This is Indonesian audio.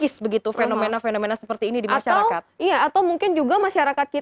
itu semakin banyak